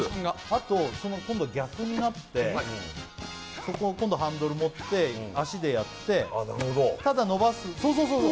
あと今度逆になってそこを今度ハンドル持って足でやってあっなるほどただ伸ばすそう